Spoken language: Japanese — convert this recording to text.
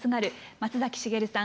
松崎しげるさん